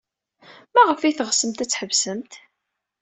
Maɣef ay teɣsemt ad tḥebsemt?